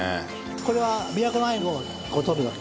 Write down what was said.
これは琵琶湖の鮎をとるわけ。